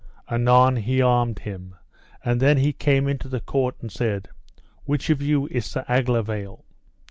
Anon he armed him, and then he came into the court and said: Which of you is Sir Aglovale?